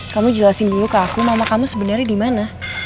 kamu jelasin dulu ke aku mama kamu sebenarnya di mana